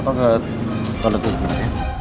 apa ke toilet tuh sebenernya